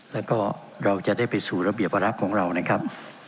แล้วก็เราจะได้ไปสู่ระเบียบวาระของเรานะครับ